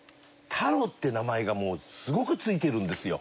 「たろう」って名前がもうすごく付いてるんですよ。